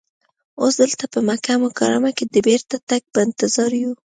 اوس دلته په مکه مکرمه کې د بېرته تګ په انتظار یو.